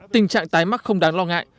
tình trạng tái mắc không đáng lo ngại